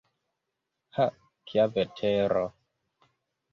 Ha, kia vetero!